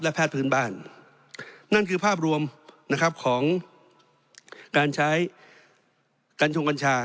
แพทย์พื้นบ้านนั่นคือภาพรวมนะครับของการใช้กัญชงกัญชา